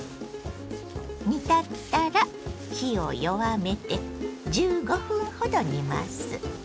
煮立ったら火を弱めて１５分ほど煮ます。